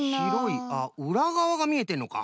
あっうらがわがみえてんのか。